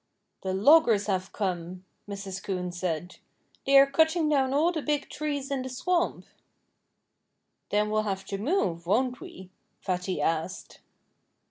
"The loggers have come," Mrs. Coon said. "They are cutting down all the big trees in the swamp." "Then we'll have to move, won't we?" Fatty asked.